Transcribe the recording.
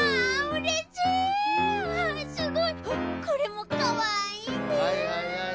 これもかわいいね。